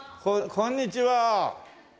こんにちは。